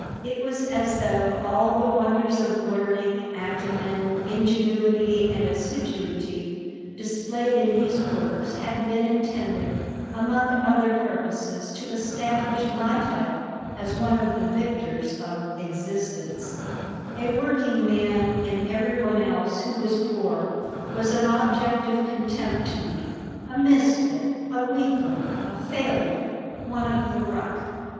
It was as though all the wonders of learning, acumen, ingenuity, and assiduity displayed in these works had been intended, among other purposes, to establish my title as one of the victors of Existence A working man, and every one else who was poor, was an object of contempt to me a misfit, a weakling, a failure, one of the ruck.